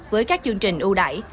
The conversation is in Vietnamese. với các chương trình ưu đại